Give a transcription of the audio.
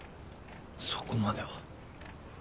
そこまでは。